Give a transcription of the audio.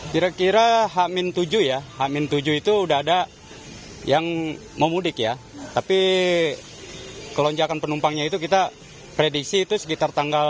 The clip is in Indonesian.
kira kira h tujuh ya h tujuh itu udah ada yang mau mudik ya tapi kelonjakan penumpangnya itu kita prediksi itu sekitar tanggal